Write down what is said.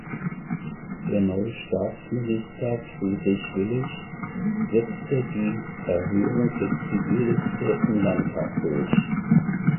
Der neue Staatsminister Friedrich Willich setzte die Erhöhung der Zivilliste im Landtag durch.